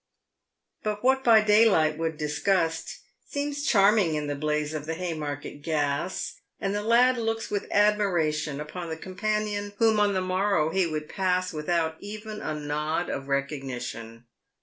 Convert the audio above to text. But what by day light would disgust, seems charming in the blaze of the Haymarket gas, and the lad looks with admiration upon the companion whom on the morrow he would pass without even a nod of recognition.